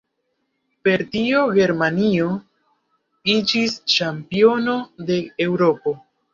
Per tio Germanio iĝis ĉampiono de Eŭropo.